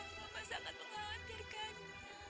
mama sangat menghampirkannya